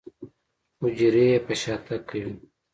حجرې يې په شاتګ کوي.